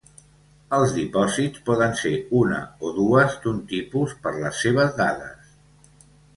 Els dipòsits poden ser una o dues d'un tipus per les seves dades.